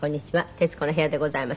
『徹子の部屋』でございます。